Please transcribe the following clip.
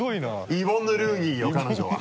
イヴォンヌ・ルーニーよ彼女は。